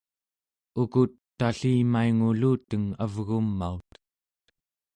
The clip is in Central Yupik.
ukut tallimainguluteng avgumaut